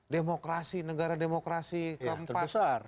demokrasi negara demokrasi keempat